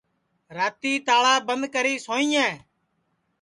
راتی تاݪا بند کری سوئیں